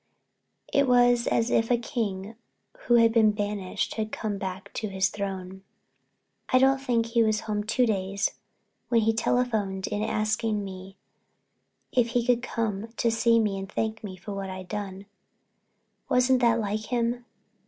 It was as if a king who had been banished had come back to his throne. I don't think he was home two days when he telephoned in asking me if he could come to see me and thank me for what I'd done. Wasn't that like him?